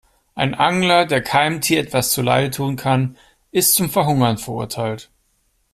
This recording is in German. Ein Angler, der keinem Tier etwas zuleide tun kann, ist zum Verhungern verurteilt.